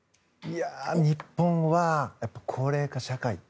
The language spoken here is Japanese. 日本は高齢化社会。